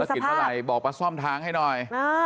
บอกประสิทธิ์เท่าไรบอกมาซ่อมทางให้หน่อย